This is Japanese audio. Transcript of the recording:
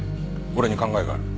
俺に考えがある。